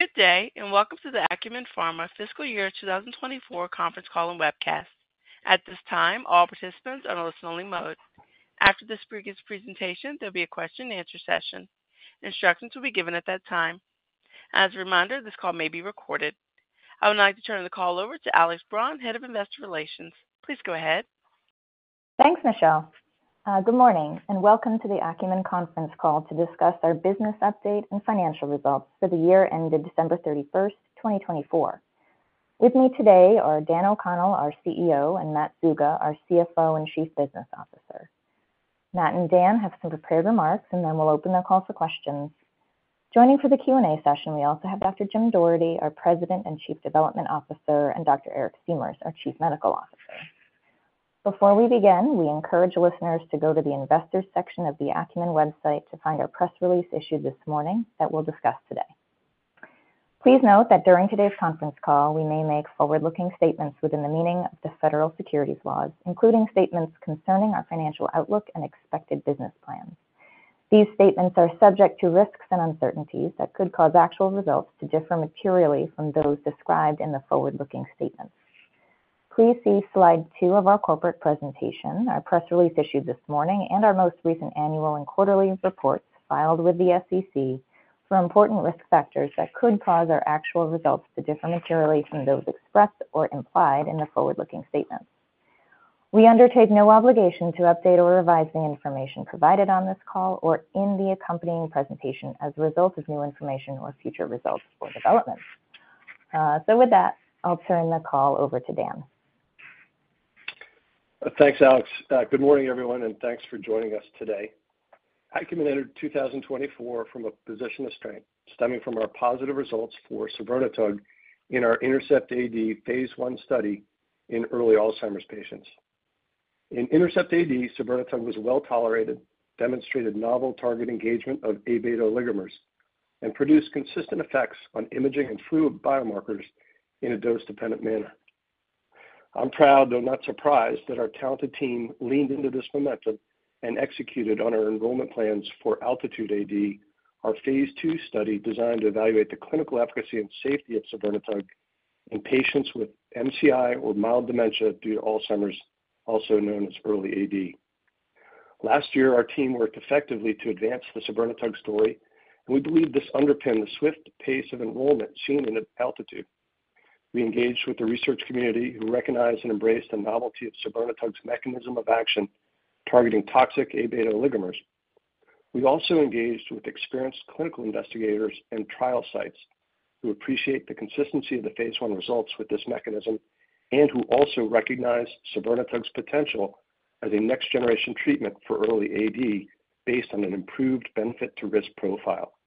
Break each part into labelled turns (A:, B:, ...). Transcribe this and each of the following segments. A: Good day, and welcome to the Acumen Pharmaceuticals Fiscal Year 2024 conference call and webcast. At this time, all participants are in listen-only mode. After this brief presentation, there will be a question-and-answer session. Instructions will be given at that time. As a reminder, this call may be recorded. I would now like to turn the call over to Alex Braun, Head of Investor Relations. Please go ahead.
B: Thanks, Michelle. Good morning, and welcome to the Acumen conference call to discuss our business update and financial results for the year ended December 31, 2024. With me today are Dan O'Connell, our CEO, and Matt Zuga, our CFO and Chief Business Officer. Matt and Dan have some prepared remarks, and then we'll open the call for questions. Joining for the Q&A session, we also have Dr. Jim Doherty our President and Chief Development Officer, and Dr. Eric Siemers, our Chief Medical Officer. Before we begin, we encourage listeners to go to the Investor section of the Acumen website to find our press release issued this morning that we'll discuss today. Please note that during today's conference call, we may make forward-looking statements within the meaning of the federal securities laws, including statements concerning our financial outlook and expected business plans. These statements are subject to risks and uncertainties that could cause actual results to differ materially from those described in the forward-looking statements. Please see slide two of our corporate presentation, our press release issued this morning, and our most recent annual and quarterly reports filed with the SEC for important risk factors that could cause our actual results to differ materially from those expressed or implied in the forward-looking statements. We undertake no obligation to update or revise the information provided on this call or in the accompanying presentation as a result of new information or future results or developments. With that, I'll turn the call over to Dan.
C: Thanks, Alex. Good morning, everyone, and thanks for joining us today. Acumen entered 2024 from a position of strength stemming from our positive results for sabirnetug in our INTERCEPT-AD phase I study in early Alzheimer's patients. In INTERCEPT-AD, sabirnetug was well tolerated, demonstrated novel target engagement of A-beta oligomers, and produced consistent effects on imaging and fluid biomarkers in a dose-dependent manner. I'm proud, though not surprised, that our talented team leaned into this momentum and executed on our enrollment plans for ALTITUDE-AD our phase II study designed to evaluate the clinical efficacy and safety of sabirnetug in patients with MCI or mild dementia due to Alzheimer's, also known as early AD. Last year, our team worked effectively to advance the sabirnetug story, and we believe this underpinned the swift pace of enrollment seen in ALTITUDE. We engaged with the research community who recognized and embraced the novelty of sabirnetug's mechanism of action targeting toxic A-beta oligomers. We also engaged with experienced clinical investigators and trial sites who appreciate the consistency of the phase I results with this mechanism and who also recognize sabirnetug's potential as a next-generation treatment for early AD based on an improved benefit-to-risk profile.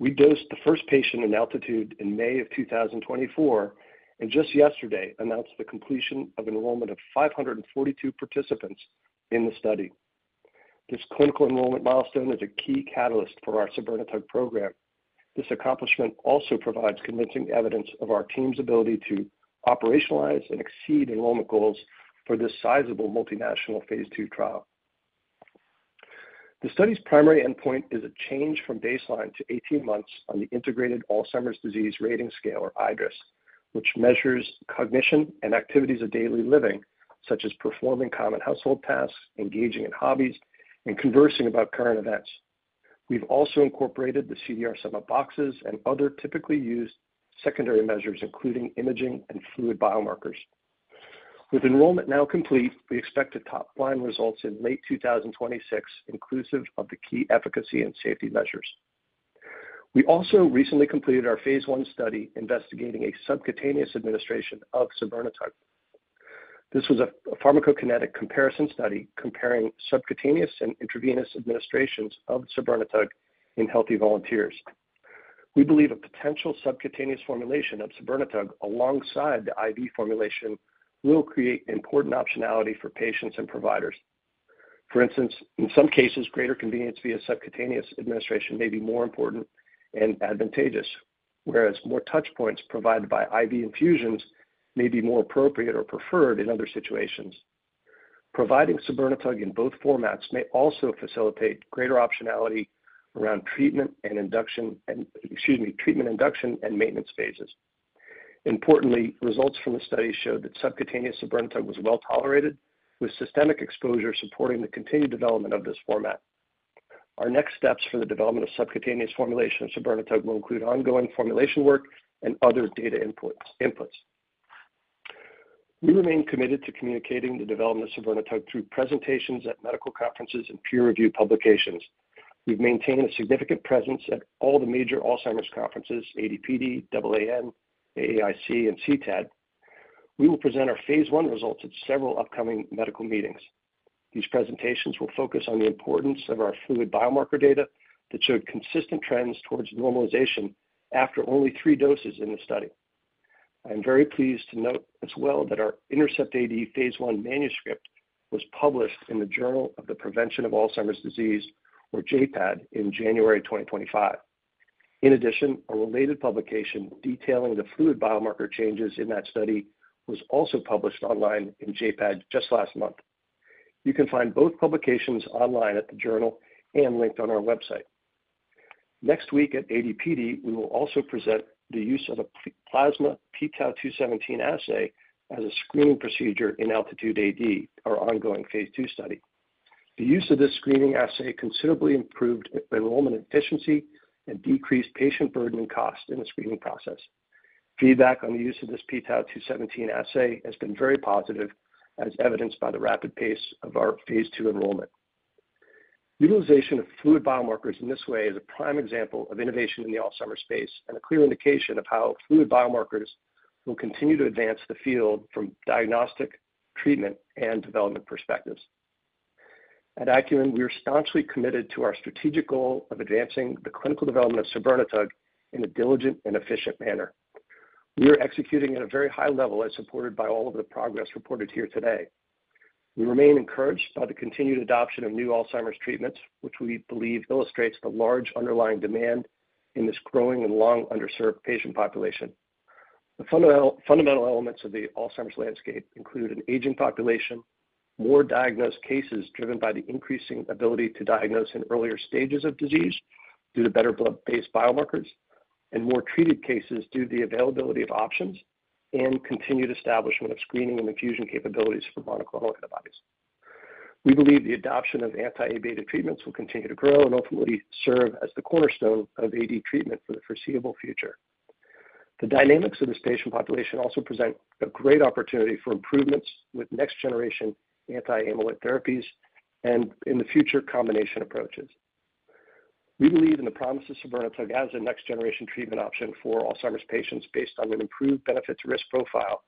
C: We dosed the first patient in ALTITUDE in May of 2024, and just yesterday announced the completion of enrollment of 542 participants in the study. This clinical enrollment milestone is a key catalyst for our sabirnetug program. This accomplishment also provides convincing evidence of our team's ability to operationalize and exceed enrollment goals for this sizable multinational phase II trial. The study's primary endpoint is a change from baseline to 18 months on the Integrated Alzheimer's Disease Rating Scale, or iADRS, which measures cognition and activities of daily living, such as performing common household tasks, engaging in hobbies, and conversing about current events. We've also incorporated the CDR Sum of Boxes and other typically used secondary measures, including imaging and fluid biomarkers. With enrollment now complete, we expect top line results in late 2026, inclusive of the key efficacy and safety measures. We also recently completed our phase I study investigating a subcutaneous administration of sabirnetug. This was a pharmacokinetic comparison study comparing subcutaneous and intravenous administrations of sabirnetug in healthy volunteers. We believe a potential subcutaneous formulation of sabirnetug alongside the IV formulation will create important optionality for patients and providers. For instance, in some cases, greater convenience via subcutaneous administration may be more important and advantageous, whereas more touch points provided by IV infusions may be more appropriate or preferred in other situations. Providing sabirnetug in both formats may also facilitate greater optionality around treatment and induction and maintenance phases. Importantly, results from the study showed that subcutaneous sabirnetug was well tolerated, with systemic exposure supporting the continued development of this format. Our next steps for the development of subcutaneous formulation of sabirnetug will include ongoing formulation work and other data inputs. We remain committed to communicating the development of sabirnetug through presentations at medical conferences and peer-reviewed publications. We've maintained a significant presence at all the major Alzheimer's conferences: AD/PD, AAN, AAIC, and CTAD. We will present our phase I results at several upcoming medical meetings. These presentations will focus on the importance of our fluid biomarker data that showed consistent trends towards normalization after only three doses in the study. I am very pleased to note as well that our INTERCEPT-AD phase I manuscript was published in the Journal of Prevention of Alzheimer's Disease, or JPAD, in January 2025. In addition, a related publication detailing the fluid biomarker changes in that study was also published online in JPAD just last month. You can find both publications online at the journal and linked on our website. Next week at AD/PD, we will also present the use of a plasma pTau217 assay as a screening procedure in ALTITUDE-AD, our ongoing phase II study. The use of this screening assay considerably improved enrollment efficiency and decreased patient burden and cost in the screening process. Feedback on the use of this pTau217 assay has been very positive, as evidenced by the rapid pace of our phase II enrollment. Utilization of fluid biomarkers in this way is a prime example of innovation in the Alzheimer's space and a clear indication of how fluid biomarkers will continue to advance the field from diagnostic, treatment, and development perspectives. At Acumen, we are staunchly committed to our strategic goal of advancing the clinical development of sabirnetug in a diligent and efficient manner. We are executing at a very high level as supported by all of the progress reported here today. We remain encouraged by the continued adoption of new Alzheimer's treatments, which we believe illustrates the large underlying demand in this growing and long underserved patient population. The fundamental elements of the Alzheimer's landscape include an aging population, more diagnosed cases driven by the increasing ability to diagnose in earlier stages of disease due to better blood-based biomarkers, and more treated cases due to the availability of options, and continued establishment of screening and infusion capabilities for monoclonal antibodies. We believe the adoption of anti A-beta treatments will continue to grow and ultimately serve as the cornerstone of AD treatment for the foreseeable future. The dynamics of this patient population also present a great opportunity for improvements with next-generation anti-amyloid therapies and, in the future, combination approaches. We believe in the promise of sabirnetug as a next-generation treatment option for Alzheimer's patients based on an improved benefits-to-risk profile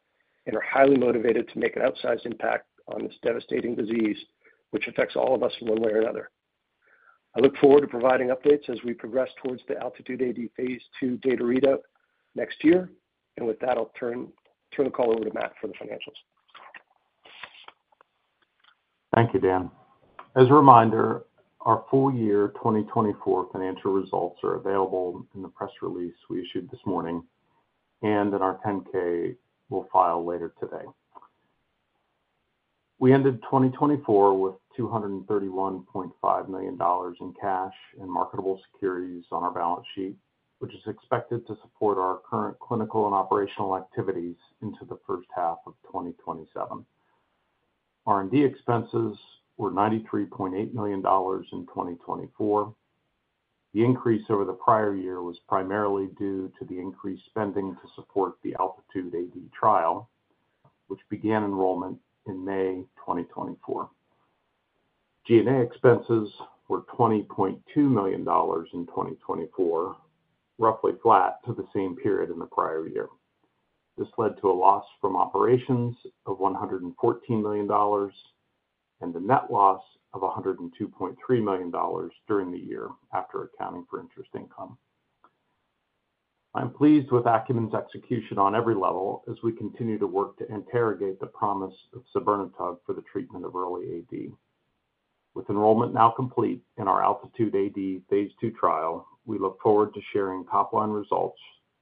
C: and are highly motivated to make an outsized impact on this devastating disease, which affects all of us in one way or another. I look forward to providing updates as we progress towards the ALTITUDE-AD phase II data readout next year. With that, I'll turn the call over to Matt for the financials.
D: Thank you, Dan. As a reminder, our full year 2024 financial results are available in the press release we issued this morning, and then our 10-K will file later today. We ended 2024 with $231.5 million in cash and marketable securities on our balance sheet, which is expected to support our current clinical and operational activities into the first half of 2027. R&D expenses were $93.8 million in 2024. The increase over the prior year was primarily due to the increased spending to support the ALTITUDE-AD trial, which began enrollment in May 2024. G&A expenses were $20.2 million in 2024, roughly flat to the same period in the prior year. This led to a loss from operations of $114 million and a net loss of $102.3 million during the year after accounting for interest income. I'm pleased with Acumen's execution on every level as we continue to work to interrogate the promise of sabirnetug or the treatment of early AD. With enrollment now complete in our ALTITUDE-AD phase II trial, we look forward to sharing top-line results,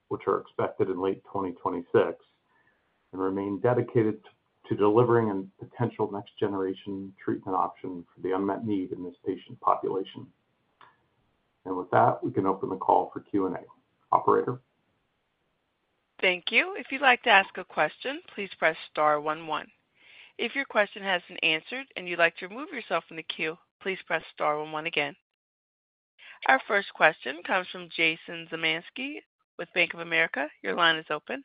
D: which are expected in late 2026, and remain dedicated to delivering a potential next-generation treatment option for the unmet need in this patient population. With that, we can open the call for Q&A. Operator.
A: Thank you. If you'd like to ask a question, please press star one one. If your question has not been answered and you'd like to remove yourself from the queue, please press star one one again. Our first question comes from Jason Zemansky with Bank of America. Your line is open.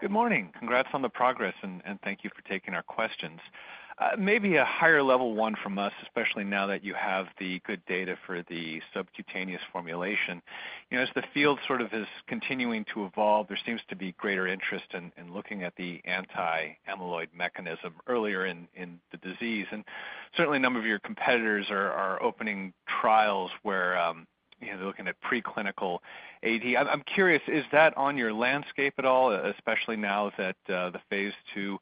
E: Good morning. Congrats on the progress, and thank you for taking our questions. Maybe a higher-level one from us, especially now that you have the good data for the subcutaneous formulation. As the field sort of is continuing to evolve, there seems to be greater interest in looking at the anti-amyloid mechanism earlier in the disease. Certainly, a number of your competitors are opening trials where they're looking at preclinical AD. I'm curious, is that on your landscape at all, especially now that the phase II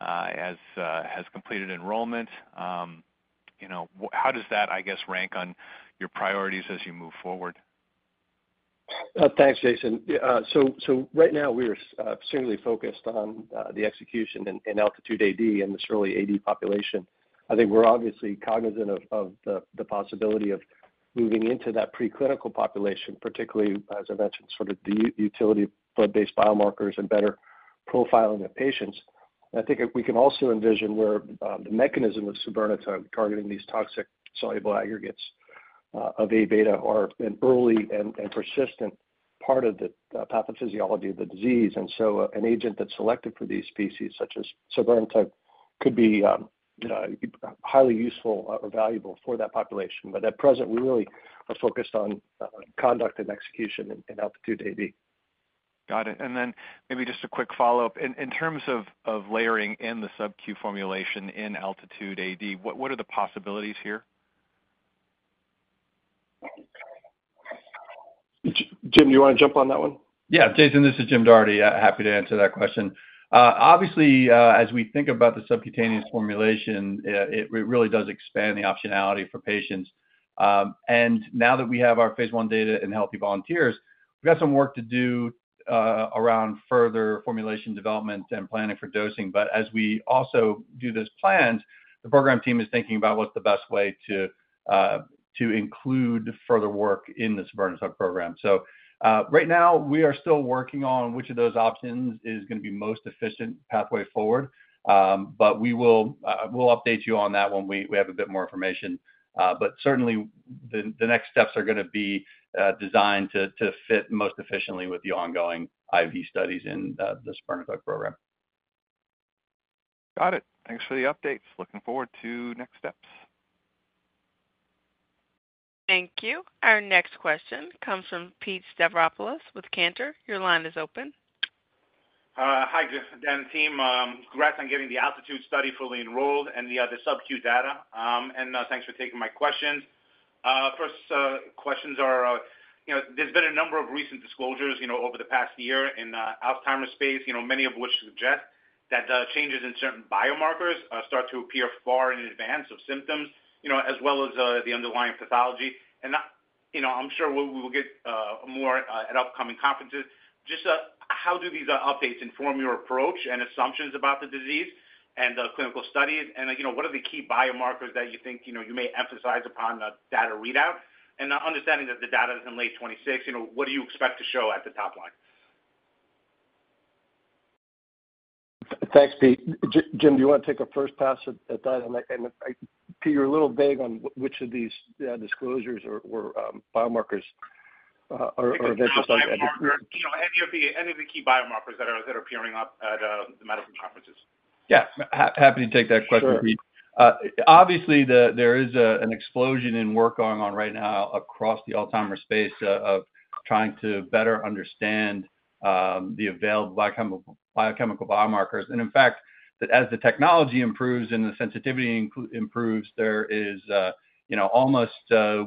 E: has completed enrollment? How does that, I guess, rank on your priorities as you move forward?
C: Thanks, Jason. Right now, we are extremely focused on the execution in ALTITUDE-AD and this early AD population. I think we're obviously cognizant of the possibility of moving into that preclinical population, particularly, as I mentioned, sort of the utility of blood-based biomarkers and better profiling of patients. I think we can also envision where the mechanism of sabirnetug targeting these toxic soluble aggregates of A-beta oligomers are an early and persistent part of the pathophysiology of the disease. An agent that's selected for these species, such as sabirnetug, could be highly useful or valuable for that population. At present, we really are focused on conduct and execution in ALTITUDE-AD.
E: Got it. Maybe just a quick follow-up. In terms of layering in the subQ formulation in ALTITUDE-AD, what are the possibilities here?
D: Jim, do you want to jump on that one?
F: Yeah. Jason, this is Jim Doherty. Happy to answer that question. Obviously, as we think about the subcutaneous formulation, it really does expand the optionality for patients. Now that we have our phase I data in healthy volunteers, we've got some work to do around further formulation development and planning for dosing. As we also do this planned, the program team is thinking about what's the best way to include further work in the sabirnetug program. Right now, we are still working on which of those options is going to be the most efficient pathway forward. We will update you on that when we have a bit more information. Certainly, the next steps are going to be designed to fit most efficiently with the ongoing IV studies in the sabirnetug program.
E: Got it. Thanks for the updates. Looking forward to next steps.
A: Thank you. Our next question comes from Pete Stavropoulos with Cantor. Your line is open.
G: Hi Dan and team. Congrats on getting the ALTITUDE study fully enrolled and the other subQ data. Thanks for taking my questions. First questions are, there's been a number of recent disclosures over the past year in the Alzheimer's space, many of which suggest that changes in certain biomarkers start to appear far in advance of symptoms, as well as the underlying pathology. I'm sure we will get more at upcoming conferences. Just how do these updates inform your approach and assumptions about the disease and the clinical studies? What are the key biomarkers that you think you may emphasize upon a data readout? Understanding that the data is in late 2026, what do you expect to show at the top line?
C: Thanks, Pete. Jim, do you want to take a first pass at that? Pete, you're a little vague on which of these disclosures or biomarkers are of interest on the -
G: Any of the key biomarkers that are appearing up at the medical conferences?
F: Yeah. Happy to take that question, Pete. Obviously, there is an explosion in work going on right now across the Alzheimer's space of trying to better understand the available biochemical biomarkers. In fact, as the technology improves and the sensitivity improves, there are almost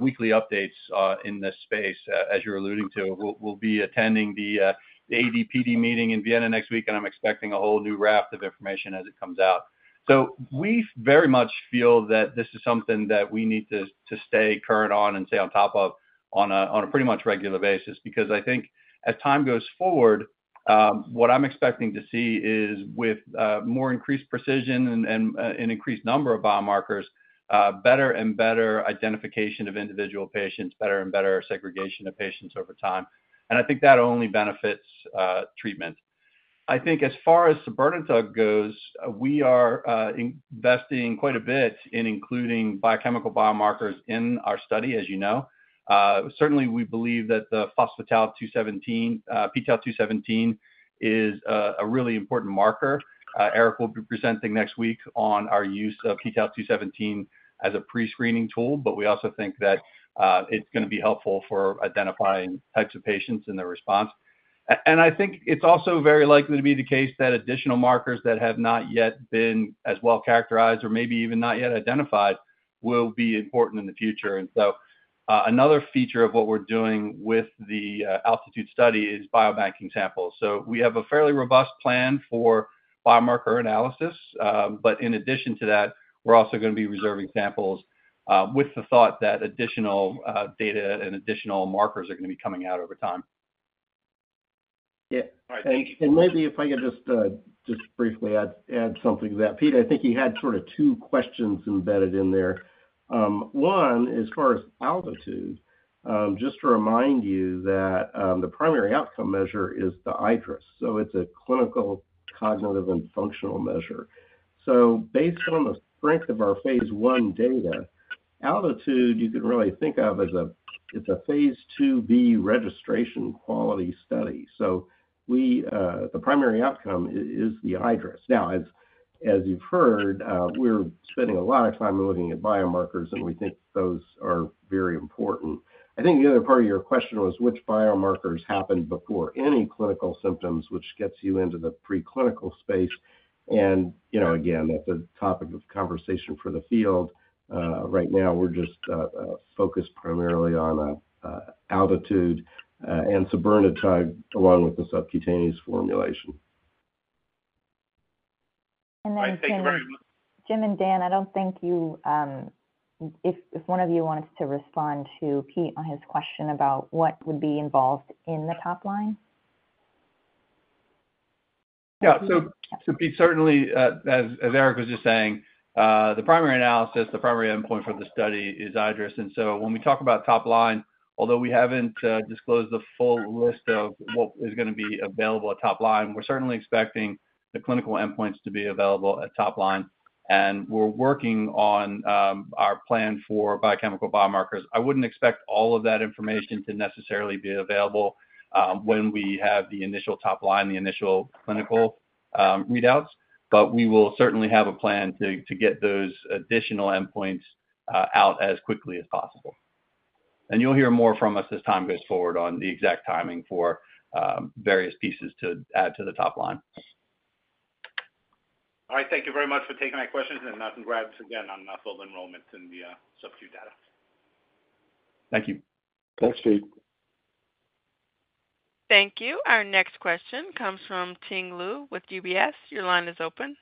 F: weekly updates in this space, as you're alluding to. We'll be attending the AD/PD meeting in Vienna next week, and I'm expecting a whole new raft of information as it comes out. We very much feel that this is something that we need to stay current on and stay on top of on a pretty much regular basis. I think as time goes forward, what I'm expecting to see is, with more increased precision and an increased number of biomarkers, better and better identification of individual patients, better and better segregation of patients over time. I think that only benefits treatment. I think as far as sabirnetug goes, we are investing quite a bit in including biochemical biomarkers in our study, as you know. Certainly, we believe that the pTau217 is a really important marker. Eric will be presenting next week on our use of pTau217 as a pre-screening tool, but we also think that it's going to be helpful for identifying types of patients and their response. I think it's also very likely to be the case that additional markers that have not yet been as well characterized or maybe even not yet identified will be important in the future. Another feature of what we're doing with the ALTITUDE study is biobanking samples. We have a fairly robust plan for biomarker analysis. In addition to that, we're also going to be reserving samples with the thought that additional data and additional markers are going to be coming out over time.
H: Yeah. Maybe if I could just briefly add something to that. Pete, I think you had sort of two questions embedded in there. One, as far as ALTITUDE, just to remind you that the primary outcome measure is the iADRS. It is a clinical, cognitive, and functional measure. Based on the strength of our phase I data, ALTITUDE, you can really think of as a phase II-b registration quality study. The primary outcome is the iADRS. As you've heard, we're spending a lot of time looking at biomarkers, and we think those are very important. I think the other part of your question was which biomarkers happen before any clinical symptoms, which gets you into the preclinical space. That is a topic of conversation for the field. Right now, we're just focused primarily on ALTITUDE and sabirnetug along with the subcutaneous formulation.
G: Thank you very much.
B: Jim and Dan, I don't think you - if one of you wanted to respond to Pete on his question about what would be involved in the top line?
F: Yeah. Pete, certainly, as Eric was just saying, the primary analysis, the primary endpoint for the study is iADRS. When we talk about top line, although we haven't disclosed the full list of what is going to be available at top line, we're certainly expecting the clinical endpoints to be available at top line. We're working on our plan for biochemical biomarkers. I wouldn't expect all of that information to necessarily be available when we have the initial top line, the initial clinical readouts. We will certainly have a plan to get those additional endpoints out as quickly as possible. You'll hear more from us as time goes forward on the exact timing for various pieces to add to the top line.
G: All right. Thank you very much for taking my questions. Congrats again on full enrollment in the subQ data.
F: Thank you.
D: Thanks, Pete.
A: Thank you. Our next question comes from Ting Liu with UBS. Your line is open.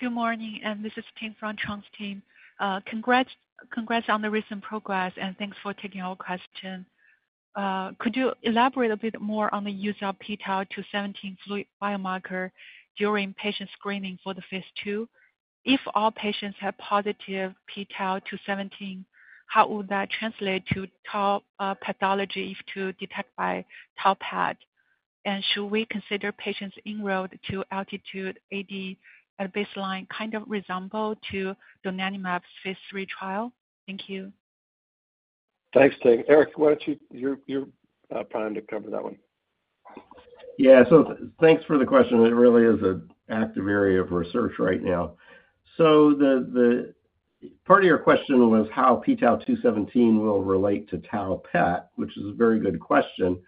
I: Good morning. This is Ting from Trung's team. Congrats on the recent progress, and thanks for taking our question. Could you elaborate a bit more on the use of pTau217 fluid biomarker during patient screening for the phase II? If all patients have positive pTau217, how would that translate to tau pathology if detected by Tau PET? Should we consider patients enrolled to ALTITUDE-AD at baseline kind of resemble to donanemab's phase III trial? Thank you.
C: Thanks, Ting. Eric, why don't you, you're primed to cover that one.
H: Yeah. Thanks for the question. It really is an active area of research right now. Part of your question was how pTau217 will relate to Tau PET, which is a very good question.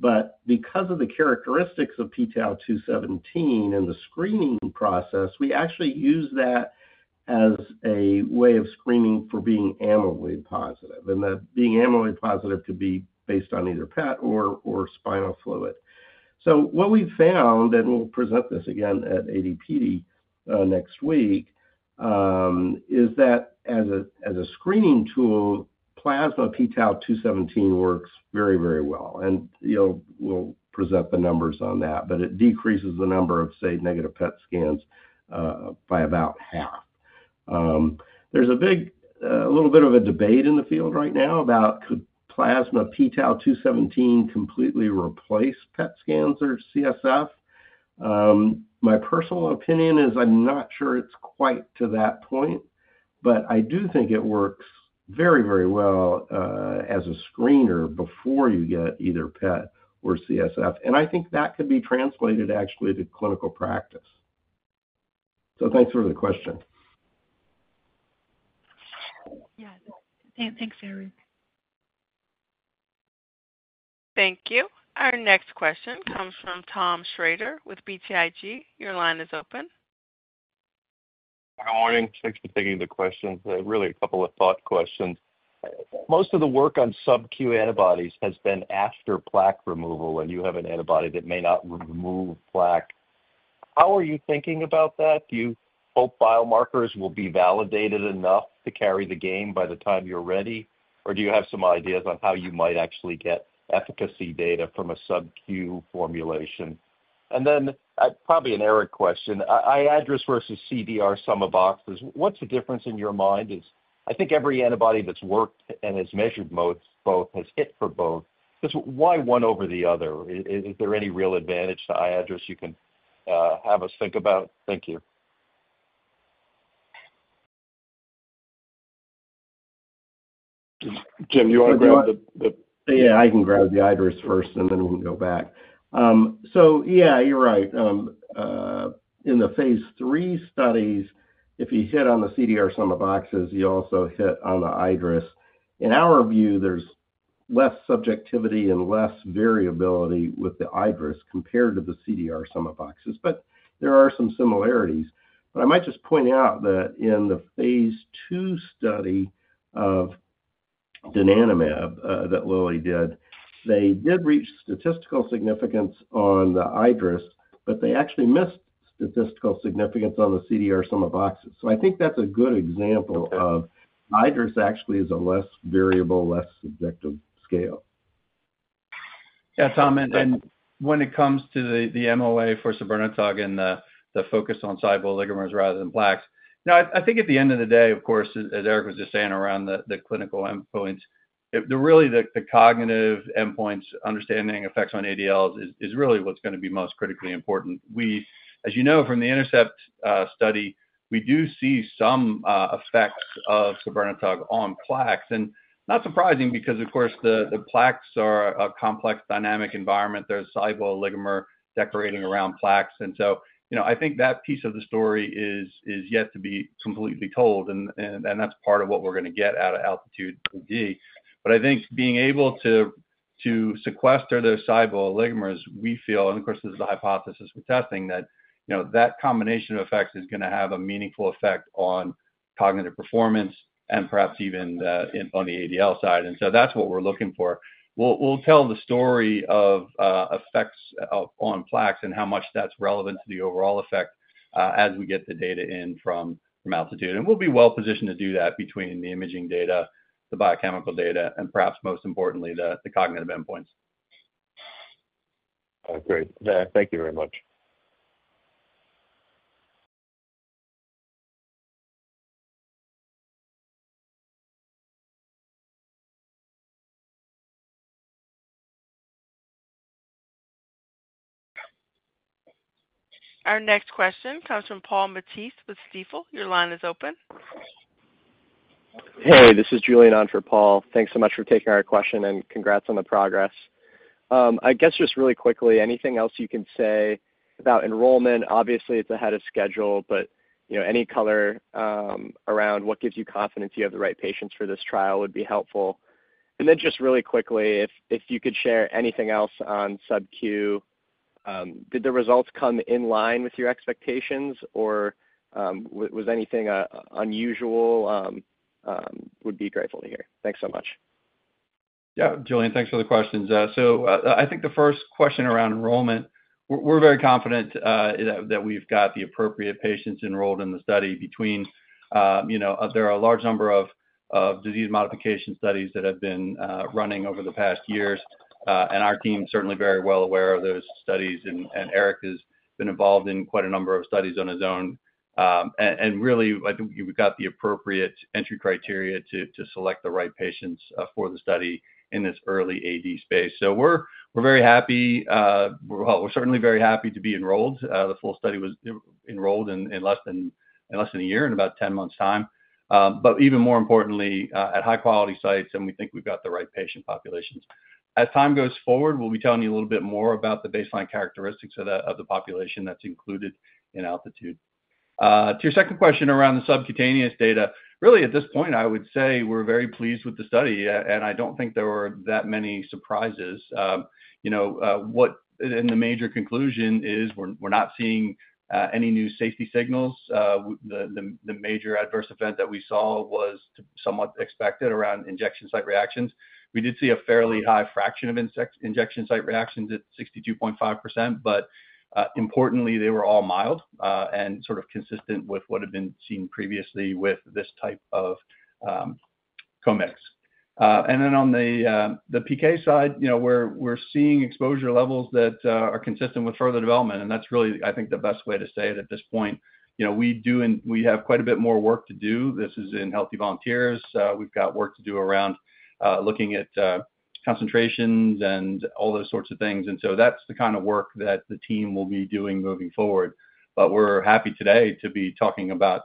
H: Because of the characteristics of pTau217 and the screening process, we actually use that as a way of screening for being amyloid positive. Being amyloid positive could be based on either PET or spinal fluid. What we've found, and we'll present this again at AD/PD next week, is that as a screening tool, plasma pTau217 works very, very well. We'll present the numbers on that. It decreases the number of, say, negative PET scans by about half. There's a little bit of a debate in the field right now about could plasma pTau217 completely replace PET scans or CSF. My personal opinion is I'm not sure it's quite to that point. I do think it works very, very well as a screener before you get either PET or CSF. I think that could be translated actually to clinical practice. Thanks for the question.
I: Yeah. Thanks, Eric.
A: Thank you. Our next question comes from Tom Shrader with BTIG. Your line is open.
J: Good morning. Thanks for taking the questions. Really, a couple of thought questions. Most of the work on subQ antibodies has been after plaque removal, and you have an antibody that may not remove plaque. How are you thinking about that? Do you hope biomarkers will be validated enough to carry the game by the time you're ready? Or do you have some ideas on how you might actually get efficacy data from a subQ formulation? Probably an Eric question. iADRS versus CDR Sum of Boxes, what's the difference in your mind? I think every antibody that's worked and has measured both has hit for both. Why one over the other? Is there any real advantage to iADRS you can have us think about? Thank you.
C: Jim, do you want to grab the -
H: Yeah. I can grab the iADRS first, and then we can go back. Yeah, you're right. In the phase III studies, if you hit on the CDR Sum of Boxes, you also hit on the iADRS. In our view, there's less subjectivity and less variability with the iADRS compared to the CDR Sum of Boxes. There are some similarities. I might just point out that in the phase II study of donanemab that Lilly did, they did reach statistical significance on the iADRS, but they actually missed statistical significance on the CDR Sum of Boxes. I think that's a good example of iADRS actually being a less variable, less subjective scale.
F: Yeah, Tom. When it comes to the MOA for sabirnetug and the focus on soluble ligands rather than plaques, I think at the end of the day, of course, as Eric was just saying around the clinical endpoints, really the cognitive endpoints, understanding effects on ADLs is really what's going to be most critically important. As you know from the INTERCEPT study, we do see some effects of sabirnetug on plaques. Not surprising because, of course, the plaques are a complex dynamic environment. There are soluble ligands decorating around plaques. I think that piece of the story is yet to be completely told. That is part of what we're going to get out of ALTITUDE-AD. I think being able to sequester those soluble ligands, we feel, and of course, this is the hypothesis we're testing, that that combination of effects is going to have a meaningful effect on cognitive performance and perhaps even on the ADL side. That is what we're looking for. We'll tell the story of effects on plaques and how much that's relevant to the overall effect as we get the data in from ALTITUDE. We'll be well positioned to do that between the imaging data, the biochemical data, and perhaps most importantly, the cognitive endpoints.
J: Great. Thank you very much.
A: Our next question comes from Paul Matteis with Stifel. Your line is open.
K: Hey, this is Julian on for Paul. Thanks so much for taking our question and congrats on the progress. I guess just really quickly, anything else you can say about enrollment? Obviously, it's ahead of schedule, but any color around what gives you confidence you have the right patients for this trial would be helpful. And then just really quickly, if you could share anything else on subQ, did the results come in line with your expectations, or was anything unusual? Would be grateful to hear. Thanks so much.
F: Yeah. Julian, thanks for the questions. I think the first question around enrollment, we're very confident that we've got the appropriate patients enrolled in the study. There are a large number of disease modification studies that have been running over the past years. Our team is certainly very well aware of those studies. Eric has been involved in quite a number of studies on his own. Really, we've got the appropriate entry criteria to select the right patients for the study in this early AD space. We're certainly very happy to be enrolled. The full study was enrolled in less than a year, in about 10 months' time. Even more importantly, at high-quality sites, we think we've got the right patient populations. As time goes forward, we'll be telling you a little bit more about the baseline characteristics of the population that's included in ALTITUDE. To your second question around the subcutaneous data, really, at this point, I would say we're very pleased with the study. I don't think there were that many surprises. The major conclusion is we're not seeing any new safety signals. The major adverse event that we saw was somewhat expected around injection site reactions. We did see a fairly high fraction of injection site reactions at 62.5%. Importantly, they were all mild and sort of consistent with what had been seen previously with this type of co-mix. On the PK side, we're seeing exposure levels that are consistent with further development. That's really, I think, the best way to say it at this point. We have quite a bit more work to do. This is in healthy volunteers. We've got work to do around looking at concentrations and all those sorts of things. That is the kind of work that the team will be doing moving forward. We're happy today to be talking about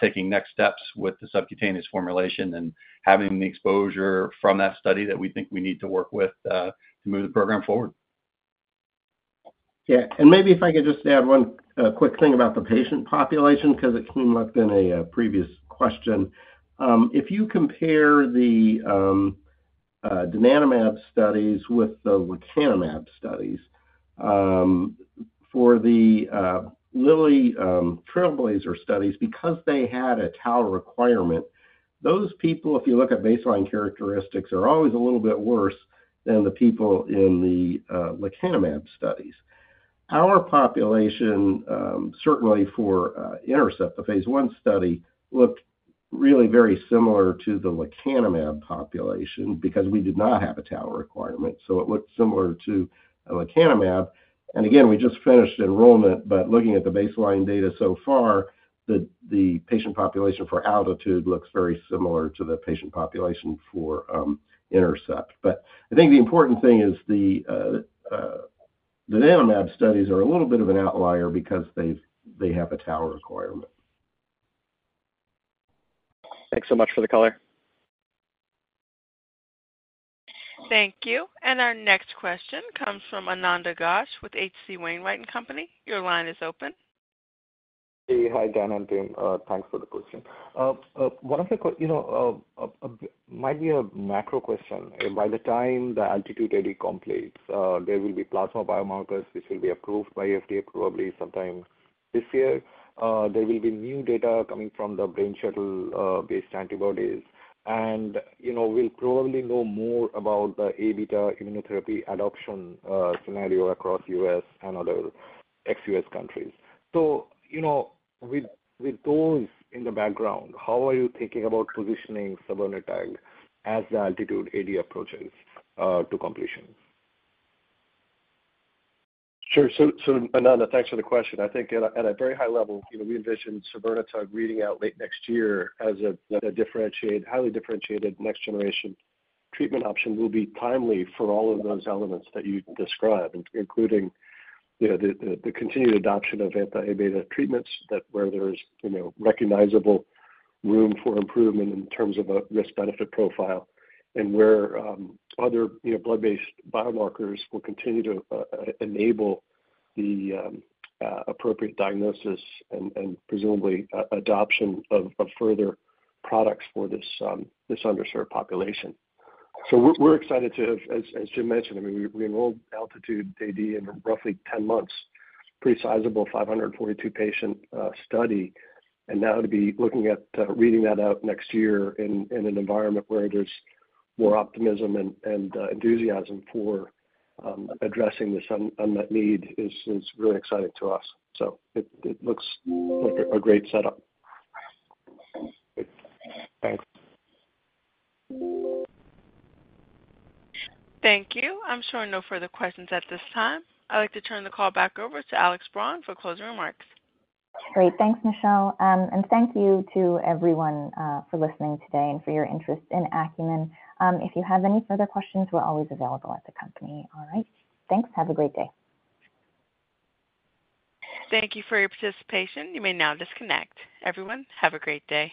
F: taking next steps with the subcutaneous formulation and having the exposure from that study that we think we need to work with to move the program forward.
H: Yeah. Maybe if I could just add one quick thing about the patient population because it came up in a previous question. If you compare the donanemab studies with the lecanemab studies, for the Lilly TRAILBLAZER studies, because they had a Tau requirement, those people, if you look at baseline characteristics, are always a little bit worse than the people in the lecanemab studies. Our population, certainly for INTERCEPT, the phase I study, looked really very similar to the lecanemab population because we did not have a Tau requirement. It looked similar to lecanemab. We just finished enrollment. Looking at the baseline data so far, the patient population for ALTITUDE looks very similar to the patient population for INTERCEPT. I think the important thing is the donanemab studies are a little bit of an outlier because they have a Tau requirement.
K: Thanks so much for the color.
A: Thank you. Our next question comes from Ananda Ghosh with H.C. Wainwright & Company. Your line is open.
L: Hey, hi, Dan. Thanks for the question. One of the might be a macro question. By the time the ALTITUDE-AD completes, there will be plasma biomarkers which will be approved by FDA probably sometime this year. There will be new data coming from the Brain Shuttle-based antibodies. We'll probably know more about the A-beta immunotherapy adoption scenario across the U.S. and other ex-U.S. countries. With those in the background, how are you thinking about positioning sabirnetug as the ALTITUDE-AD approaches to completion?
C: Sure. Ananda, thanks for the question. I think at a very high level, we envision sabirnetug reading out late next year as a highly differentiated next-generation treatment option will be timely for all of those elements that you described, including the continued adoption of anti-A-beta treatments where there is recognizable room for improvement in terms of a risk-benefit profile and where other blood-based biomarkers will continue to enable the appropriate diagnosis and presumably adoption of further products for this underserved population. We are excited to, as Jim mentioned, I mean, we enrolled ALTITUDE-AD in roughly 10 months, pretty sizable 542-patient study. Now to be looking at reading that out next year in an environment where there is more optimism and enthusiasm for addressing this unmet need is really exciting to us. It looks like a great setup.
L: Thanks.
A: Thank you. I'm showing no further questions at this time. I'd like to turn the call back over to Alex Braun for closing remarks.
B: Great. Thanks, Michelle. Thank you to everyone for listening today and for your interest in Acumen. If you have any further questions, we're always available at the company. All right. Thanks. Have a great day.
A: Thank you for your participation. You may now disconnect. Everyone, have a great day.